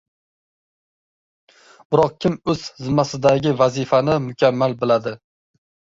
Biroq kim o‘z zimmasidagi vazifani mukammal biladi?